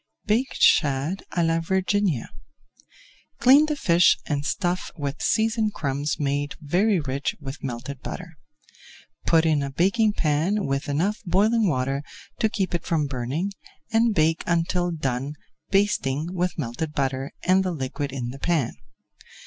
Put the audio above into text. BAKED SHAD À LA VIRGINIA Clean the fish and stuff with seasoned crumbs made very rich with melted butter. Put in a baking pan with enough boiling water to keep it from burning, and bake until done, basting with melted butter and the liquid in the pan.